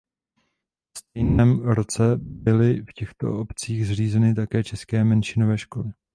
Ve stejném roce byly v těchto obcích zřízeny také české menšinové školy.